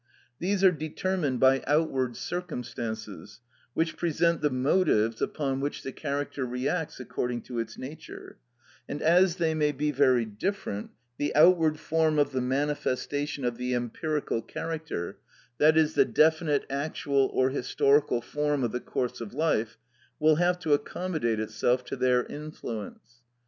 These are determined by outward circumstances, which present the motives upon which the character reacts according to its nature; and as they may be very different, the outward form of the manifestation of the empirical character, that is, the definite actual or historical form of the course of life, will have to accommodate itself to their influence.